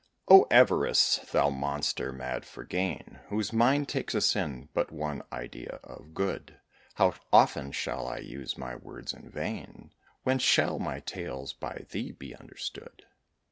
O Avarice! thou monster, mad for gain; Whose mind takes in but one idea of good! How often shall I use my words in vain? When shall my tales by thee be understood?